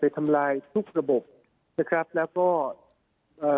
ทำลายทุกระบบนะครับแล้วก็เอ่อ